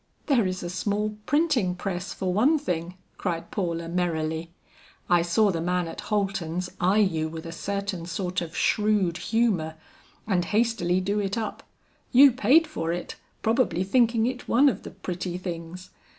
"There is a small printing press for one thing," cried Paula merrily. "I saw the man at Holton's eye you with a certain sort of shrewd humor, and hastily do it up. You paid for it; probably thinking it one of the 'pretty things.'